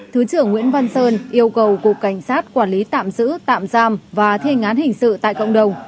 thứ trưởng nguyễn văn sơn yêu cầu cục cảnh sát quản lý tạm giữ tạm giam và thi ngán hình sự tại cộng đồng